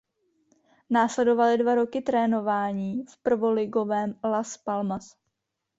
Následovaly dva roky trénování v prvoligovém Las Palmas.